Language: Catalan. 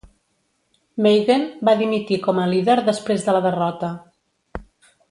Meighen va dimitir com a líder després de la derrota.